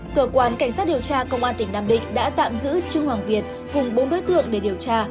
cơ quan cảnh sát điều tra công an tỉnh nam định đã tạm giữ trương hoàng việt cùng bốn đối tượng để điều tra